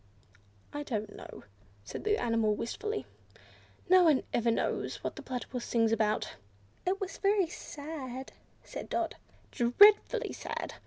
"I don't know," said the animal wistfully, "no one ever knows what the Platypus sings about." "It was very sad," said Dot. "Dreadfully sad!"